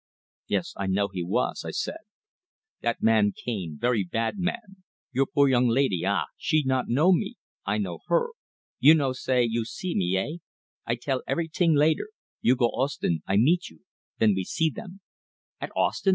"Yes, I know he was," I said. "That man Cane very bad man. Your poor young laidee ah? She not know me. I know her. You no say you see me eh? I tell every ting later. You go Ostend; I meet you. Then we see them." "At Ostend!"